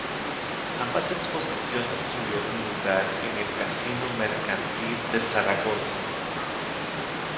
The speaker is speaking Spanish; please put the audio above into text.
Ambas exposiciones tuvieron lugar en el Casino Mercantil de Zaragoza.